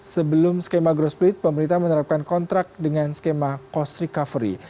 sebelum skema growt split pemerintah menerapkan kontrak dengan skema cost recovery